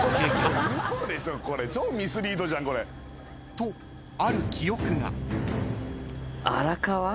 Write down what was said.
［とある記憶が］